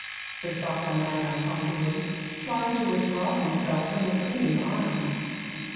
besought the man uncomfortably, trying to withdraw himself from the clinging arms.